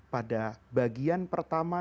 pada bagian pertama